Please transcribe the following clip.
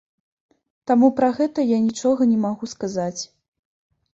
Таму пра гэта я нічога не магу сказаць.